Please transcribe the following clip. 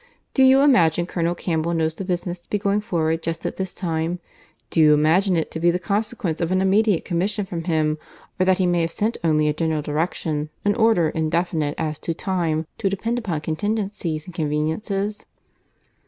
Do you imagine Colonel Campbell knows the business to be going forward just at this time?—Do you imagine it to be the consequence of an immediate commission from him, or that he may have sent only a general direction, an order indefinite as to time, to depend upon contingencies and conveniences?"